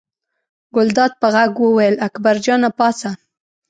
ګلداد په غږ وویل اکبر جانه پاڅه.